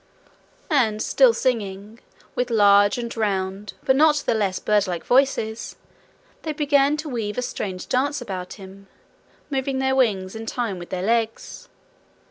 And still singing, with large and round but not the less birdlike voices, they began to weave a strange dance about him, moving their wings in time with their legs.